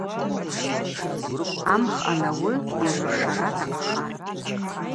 Амх анауы йагӏвыршара атахъхатӏ.